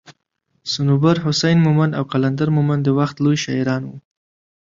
صنوبر حسين مومند او قلندر مومند دا وخت لوي شاعران وو